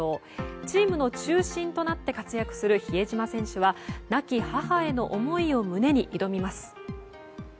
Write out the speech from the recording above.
チームの中心選手として活躍する比江島選手は亡き母への思いを胸に挑みます。